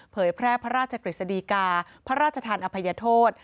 เผยแพร่พระราชเจศกิจติกาพระราชธานอภัยโทษ